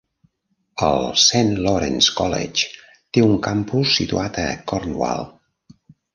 El St. Lawrence College té un campus situat a Cornwall.